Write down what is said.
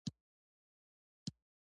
د میاشتو، میاشتو بیا تر کال ووته